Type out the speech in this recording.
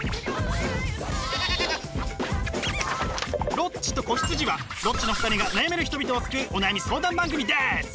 「ロッチと子羊」はロッチの２人が悩める人々を救うお悩み相談番組です！